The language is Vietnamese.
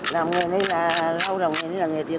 năm nay là tháng chín tháng một mươi mới đi